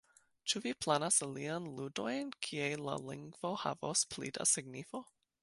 Ĉu vi planas aliajn ludojn, kie la lingvo havos pli da signifo?